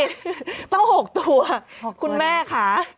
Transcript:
ตั้ง๖ตัวคุณแม่ค่ะ